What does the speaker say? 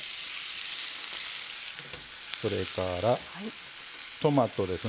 それからトマトですね。